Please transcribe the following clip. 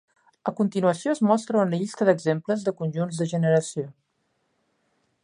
A continuació es mostra una llista d'exemples de conjunts de generació.